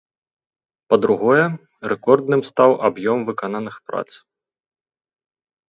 Па-другое, рэкордным стаў аб'ём выкананых прац.